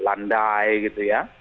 landai gitu ya